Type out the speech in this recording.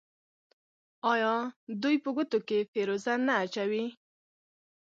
آیا دوی په ګوتو کې فیروزه نه اچوي؟